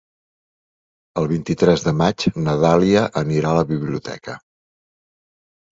El vint-i-tres de maig na Dàlia anirà a la biblioteca.